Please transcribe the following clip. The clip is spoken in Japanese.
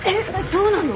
そうなの？